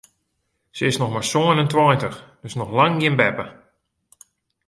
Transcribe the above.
Se is noch mar sân en tweintich, dus noch lang gjin beppe.